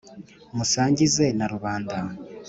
musangize na rubanda